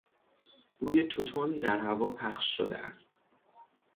بوی توتون در هوا پخش شده است.